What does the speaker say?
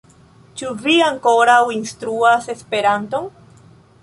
Ĉu vi ankoraŭ instruas Esperanton?